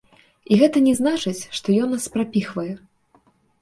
І гэта не значыць, што ён нас прапіхвае.